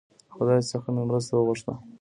خدای څخه یې مرسته وغوښته.